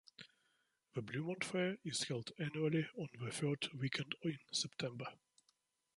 The Bluemont Fair is held annually on the third weekend in September.